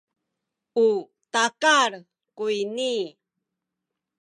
u takal kuyni